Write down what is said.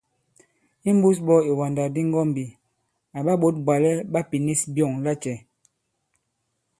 Imbūs ɓɔ̄ ìwàndàkdi ŋgɔ̄mbī, àɓa ɓǒt bwàlɛ ɓa pinīs byɔ̂ŋ lacɛ̄ ?